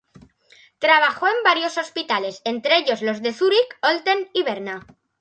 Trabajó en varios hospitales, entre ellos los de Zúrich, Olten y Berna.